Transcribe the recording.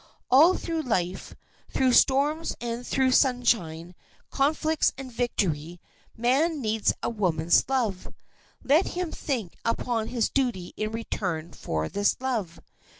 All through life, through storms and through sunshine, conflicts and victory, man needs a woman's love. Let him think upon his duty in return for this love.